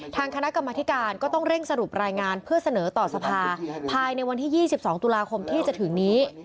ทางคณะกรรมธิการก็ต้องเร่งสรุปรายงานเพื่อเสนอต่อสภาภายในวันที่๒๒ตุลาคมที่จะถึงนี้